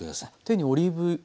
手にオリーブ油を。